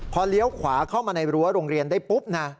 พอเลี้ยวขวาเข้ามาในรั้วโรงเรียนได้ปุ๊บนะ